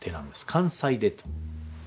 関西手と。